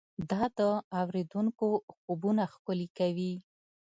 دا د اورېدونکو خوبونه ښکلي کول.